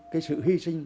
cái sự hy sinh